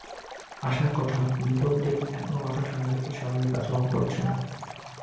আশার কথা, বিপ্লব দেব এখনো মাথা ঠান্ডা রেখে স্বাভাবিক আচরণ করছেন।